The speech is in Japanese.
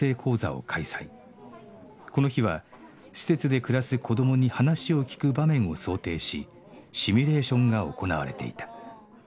この日は施設で暮らす子どもに話を聞く場面を想定しシミュレーションが行われていた